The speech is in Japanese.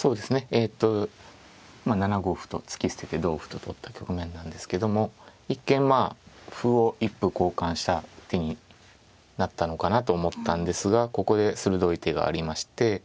えと７五歩と突き捨てて同歩と取った局面なんですけども一見まあ歩を一歩交換した手になったのかなと思ったんですがここで鋭い手がありまして９